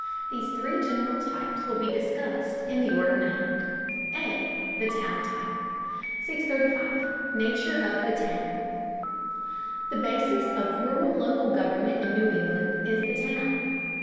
These three general types will be discussed in the order named. A. THE TOWN TYPE 635. NATURE OF THE TOWN. The basis of rural local government in New England is the town.